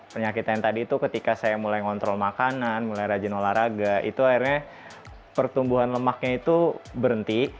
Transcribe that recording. penyakit yang tadi itu ketika saya mulai ngontrol makanan mulai rajin olahraga itu akhirnya pertumbuhan lemaknya itu berhenti